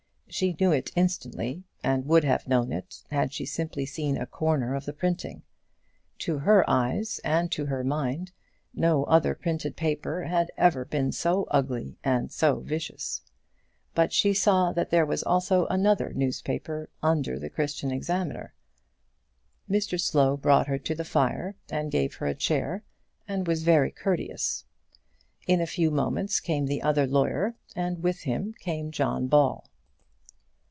She knew it instantly, and would have known it had she simply seen a corner of the printing. To her eyes and to her mind, no other printed paper had ever been so ugly and so vicious. But she saw that there was also another newspaper under the Christian Examiner. Mr Slow brought her to the fire, and gave her a chair, and was very courteous. In a few moments came the other lawyer, and with him came John Ball.